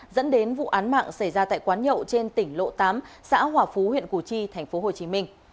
dẫn đến vụ án mạng xảy ra tại quán nhậu trên tỉnh lộ tám xã hòa phú huyện củ chi tp hcm